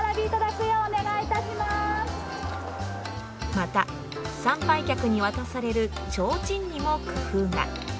また参拝客に渡されるちょうちんにも工夫が。